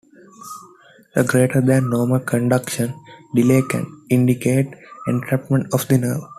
A greater than normal conduction delay can indicate entrapment of the nerve.